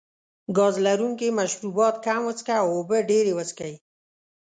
ګاز لرونکي مشروبات کم وڅښه او اوبه ډېرې وڅښئ.